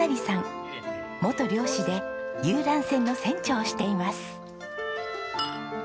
元漁師で遊覧船の船長をしています。